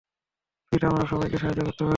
Flint, আমরা সবাইকে সাহায্য করতে পারি।